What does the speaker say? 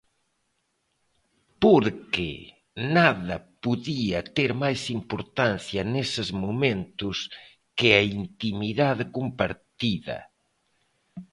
Porque nada podía ter máis importancia neses momentos que a intimidade compartida.